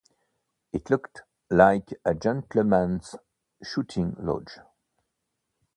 It looked like a gentleman's shooting lodge.